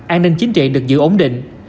an ninh chính trị được giữ ổn định